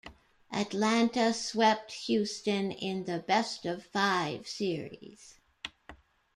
Atlanta swept Houston in the best-of-five series.